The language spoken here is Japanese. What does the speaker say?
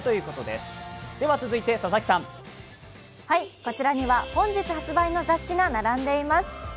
こちらには本日発売の雑誌が並んでいます。